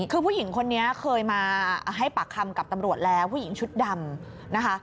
คือผู้หญิงคนนี้เคยมาให้ปากคำกับตำรวจแล้วผู้หญิงชุดดำนะคะ